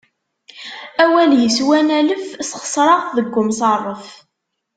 Awal yeswan alef, sexseṛeɣ-t deg umṣeṛṛef.